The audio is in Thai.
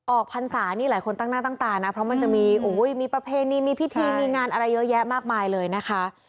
พรรษานี่หลายคนตั้งหน้าตั้งตานะเพราะมันจะมีมีประเพณีมีพิธีมีงานอะไรเยอะแยะมากมายเลยนะคะ